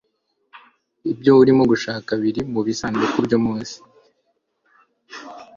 ibyo urimo gushaka biri mubisanduku byo munsi